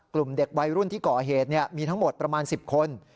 กลุ่มเด็กวัยรุ่นที่ก่อเหตุมีทั้งหมดประมาณ๑๐คน